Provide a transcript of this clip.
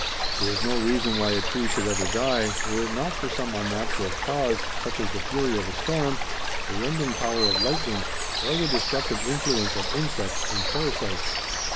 There is no reason why a tree should ever die, were it not for some unnatural cause, such as the fury of a storm, the rending power of lightning, or the destructive influence of insects and parasites.